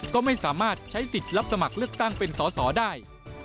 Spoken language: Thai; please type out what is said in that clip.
ก็ไม่สามารถใช้สิทธิ์รับสมัครเลือกตั้งเป็นสอสอได้